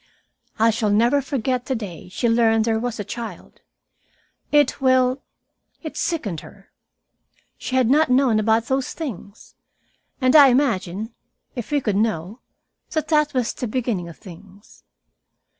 I shall never forget the day she learned there was a child. It well, it sickened her. She had not known about those things. And I imagine, if we could know, that that was the beginning of things.